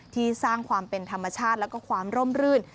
สร้างความเป็นธรรมชาติแล้วก็ความร่มรื่น